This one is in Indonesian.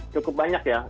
cukup banyak ya